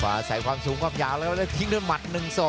อาศัยความสูงความยาวแล้วแล้วทิ้งด้วยหมัด๑๒